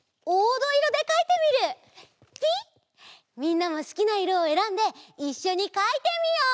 みんなもすきないろをえらんでいっしょにかいてみよう！